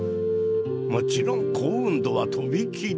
もちろん幸運度は飛び切り。